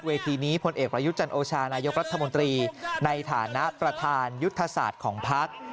ทีนี้พลเอกประยุทธ์จันโอชานายกรัฐมนตรีในฐานะประธานยุทธศาสตร์ของพัก